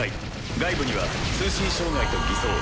外部には通信障害と偽装。